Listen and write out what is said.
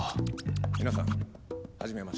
皆さん初めまして。